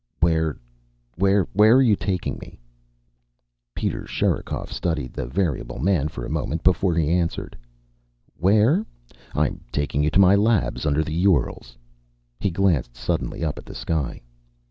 "Where where are you taking me?" Peter Sherikov studied the variable man for a moment before he answered. "Where? I'm taking you to my labs. Under the Urals." He glanced suddenly up at the sky.